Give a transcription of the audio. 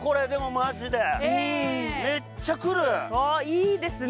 いいですね。